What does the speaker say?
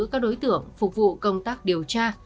các đối tượng phục vụ công tác điều tra